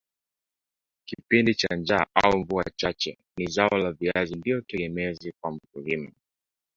kipindi cha njaa au mvua chache ni zao la viazi ndio tegemezi kwa mkulima